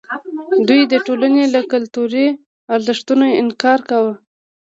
دوی د ټولنې له کلتوري ارزښتونو انکار کاوه.